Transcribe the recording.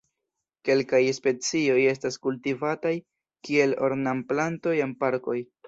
Kelkaj specioj estas kultivataj kiel ornamplantoj en parkoj.